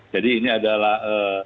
jadi ini adalah